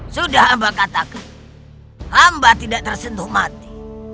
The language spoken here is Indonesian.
sudah hamba katakan hamba tidak tersentuh mati